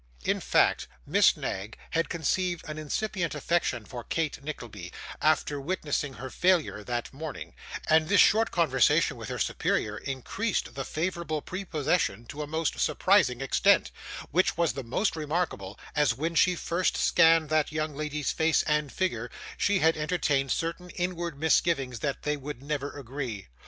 In fact, Miss Knag had conceived an incipient affection for Kate Nickleby, after witnessing her failure that morning, and this short conversation with her superior increased the favourable prepossession to a most surprising extent; which was the more remarkable, as when she first scanned that young lady's face and figure, she had entertained certain inward misgivings that they would never agree.